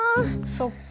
そっか。